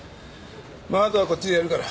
まああとはこっちでやるから。